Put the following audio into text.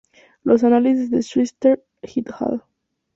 Los análisis de Schweitzer "et al".